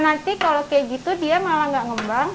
nanti kalau kayak gitu dia malah nggak mengembang